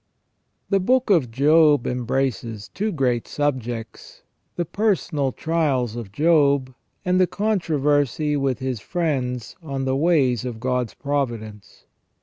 The Book of Job embraces two great subjects — the personal trials of Job, and the controversy with his friends on the ways of God's providence.